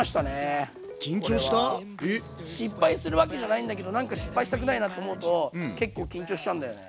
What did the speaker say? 失敗するわけじゃないんだけどなんか失敗したくないなって思うと結構緊張しちゃうんだよね。